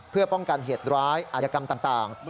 เพื่อป้องกันเหตุร้ายอาจกรรมต่าง